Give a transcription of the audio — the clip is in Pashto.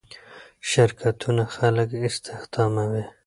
شرکتونه خلک استخداموي.